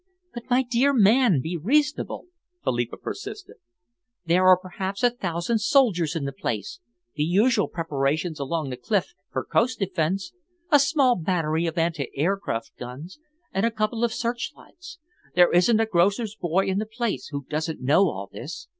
"But, my dear man, be reasonable," Philippa persisted. "There are perhaps a thousand soldiers in the place, the usual preparations along the cliff for coast defence, a small battery of anti aircraft guns, and a couple of searchlights. There isn't a grocer's boy in the place who doesn't know all this.